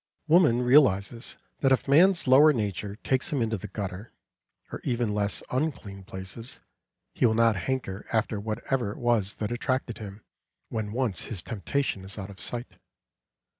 Woman realises that if man's lower nature takes him into the gutter, or even less unclean places, he will not hanker after whatever it was that attracted him when once his temptation is out of sight.